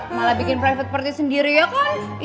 malah bikin private party sendiri ya kan